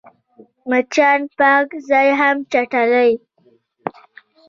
مچان پاک ځای هم چټلوي